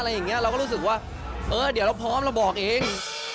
เราก็รู้สึกว่าเออเดี๋ยวเราพร้อมเราบอกเอง